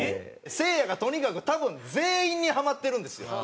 せいやがとにかく多分全員にハマってるんですよ。